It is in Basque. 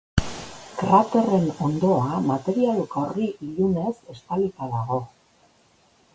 Kraterren hondoa material gorri ilunez estalita dago.